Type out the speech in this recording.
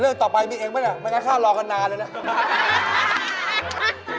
ต่อไปมีเองไหมล่ะไม่งั้นข้าวรอกันนานเลยนะ